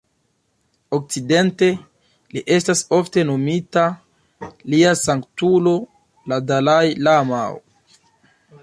Okcidente, li estas ofte nomita "Lia Sanktulo la Dalai-lamao".